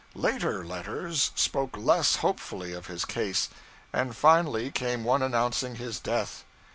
Later letters spoke less hopefully of his case; and finally came one announcing his death.